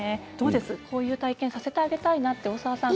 こういう体験をさせてあげたいなと大沢さん。